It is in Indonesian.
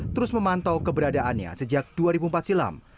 terus memantau keberadaannya sejak dua ribu empat silam